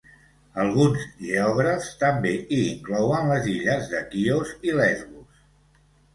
Alguns geògrafs també hi inclouen les illes de Quios i Lesbos.